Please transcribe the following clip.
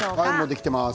できています。